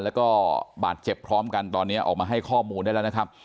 แล้วก็บาดเจ็บพร้อมกันตอนนี้ออกมาให้ข้อมูลได้แล้วนะครับ